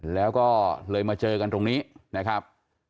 แล้วก็เลยมาเจอกันตรงนี้นะครับ